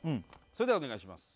それではお願いします